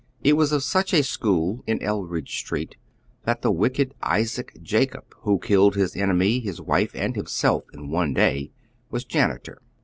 It was of sncli a school in Eldridge Street that the wicked Isaac lacob, who killed his enemy, his wife, and himself in one day, was janitor.